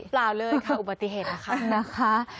เปล่าเลยค่ะอุบัติเหตุนะคะ